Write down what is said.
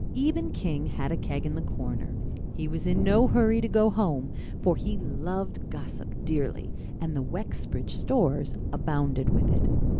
Eben King had a keg in the corner. He was in no hurry to go home for he loved gossip dearly and the Wexbridge stores abounded with it.